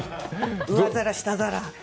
上皿、下皿。